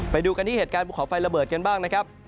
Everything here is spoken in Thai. ไปดูกันที่เหตุการณ์ภูเขาไฟระเบิดกันบ้างนะครับ